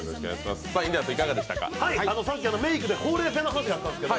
さっきメイクでほうれい線の話、あったんですけど